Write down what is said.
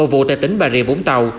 một vụ tại tỉnh bà rìa vũng tàu